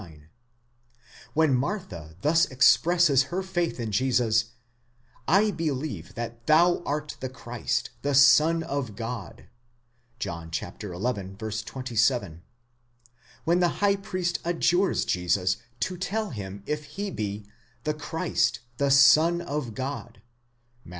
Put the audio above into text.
69); when Martha thus expresses her faith in Jesus, / delieve that thou art the Christ, the Son of God (John xi. 27); when the high priest adjures Jesus to tell him if he be the Christ, the Son of God (Matt.